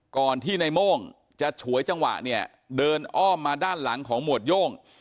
ก่อนที่ในโม่งจะฉวยจังหวะเนี่ยเดินอ้อมมาด้านหลังของหมวดโย่ง